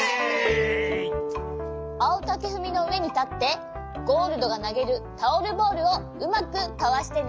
あおたけふみのうえにたってゴールドがなげるタオルボールをうまくかわしてね。